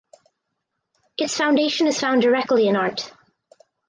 Its foundation is found directly in art.